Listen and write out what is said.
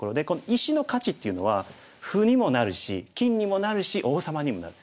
石の価値っていうのは歩にもなるし金にもなるし王様にもなる。